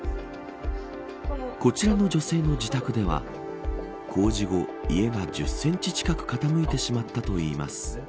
こちらの女性の自宅では工事後、家が１０センチ近く傾いてしまったといいます。